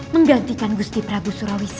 menggantikan gusti prabu surawi sesa